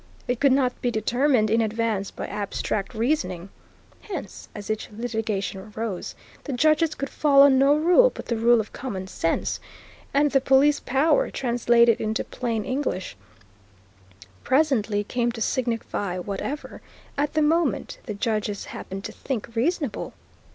It could not be determined in advance by abstract reasoning. Hence, as each litigation arose, the judges could follow no rule but the rule of common sense, and the Police Power, translated into plain English, presently came to signify whatever, at the moment, the judges happened to think reasonable.